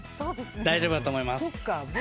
大丈夫だと思います。